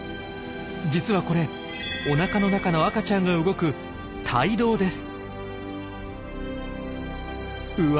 実はこれおなかの中の赤ちゃんが動くうわ